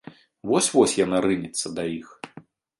Вось-вось яна рынецца да іх.